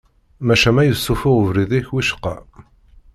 Maca ma yessufuɣ ubrid-ik wicqa.